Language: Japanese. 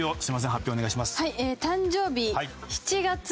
発表お願いします。